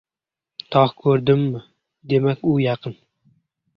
• Tog‘ ko‘rindimi, demak u yaqin.